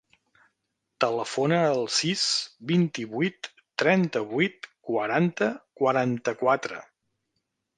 Telefona al sis, vint-i-vuit, trenta-vuit, quaranta, quaranta-quatre.